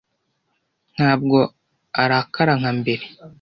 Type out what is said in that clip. ntabwo arakara nka mbere